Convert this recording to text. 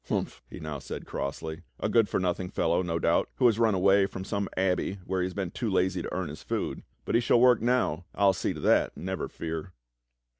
"Humph!" he now said crossly. "A good for nothing fellow, no doubt, who has run away from some abbey where he was too lazy to earn his food. But he shall work now. I'll see to that, never fear!"